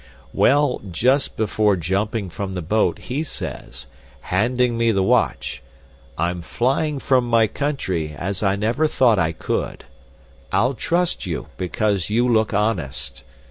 "Well, just before jumping from the boat, he says, handing me the watch, 'I'm flying from my country as I never thought I could. I'll trust you because you look honest.